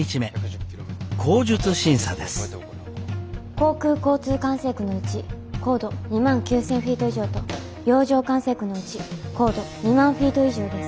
航空交通管制区のうち高度２万９，０００フィート以上と洋上管制区のうち高度２万フィート以上です。